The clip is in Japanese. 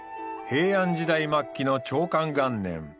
平安時代末期の長寛元年